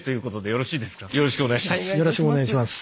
よろしくお願いします。